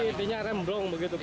jadi ini remblong begitu pak